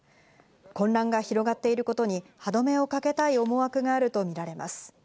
混乱が広がっていることに歯止めをかけたい思惑があるとみられます。